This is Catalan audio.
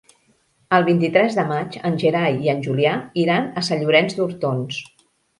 El vint-i-tres de maig en Gerai i en Julià iran a Sant Llorenç d'Hortons.